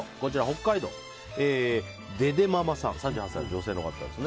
北海道、３８歳の女性の方です。